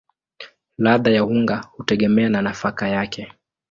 Ladha ya unga hutegemea na nafaka yake.